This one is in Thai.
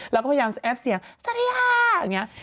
แล้วก็พยายามจะแอปเสียงจริยาอย่างนี้